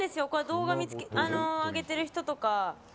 動画を上げてる人とか。